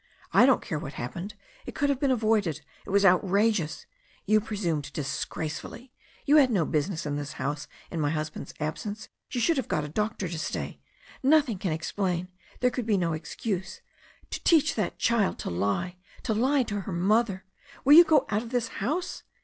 I don't care what happened. It could have been avoided — it was outrageous. You presumed disgrace fully. You had no business in this house in my husband's absence — ^you should have got a doctor to stay. Nothing can explain — ^there could be no excuse. To teach a child to lie — to lie to her mother. Will you go out of this house